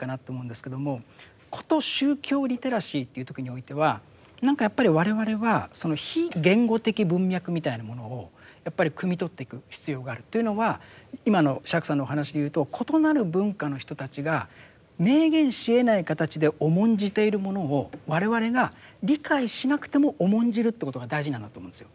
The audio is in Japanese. こと宗教リテラシーと言う時においては何かやっぱり我々はその非言語的文脈みたいなものをやっぱりくみ取っていく必要があるというのは今の釈さんのお話で言うと異なる文化の人たちが明言しえない形で重んじているものを我々が理解しなくても重んじるということが大事なんだと思うんですよ。